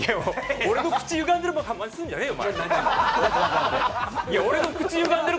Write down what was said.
俺の口ゆがんでる顔まねするんじゃねえよ！